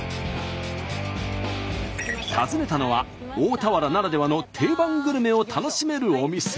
訪ねたのは大田原ならではの定番グルメを楽しめるお店。